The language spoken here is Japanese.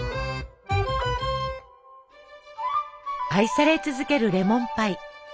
愛され続けるレモンパイ。